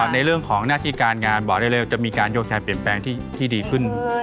ในเรื่องของหน้าที่การงานบอกได้เลยว่าจะมีการโยนแทนเปลี่ยนแปลงที่ดีขึ้น